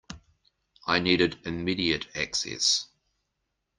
I needed immediate access.